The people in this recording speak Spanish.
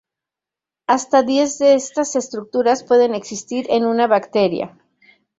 Hasta diez de estas estructuras pueden existir en una bacteria.